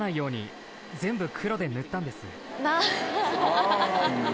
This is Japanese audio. ああ